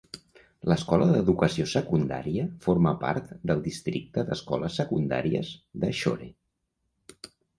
L'escola d'educació secundària forma part del Districte d'Escoles Secundàries de Shore.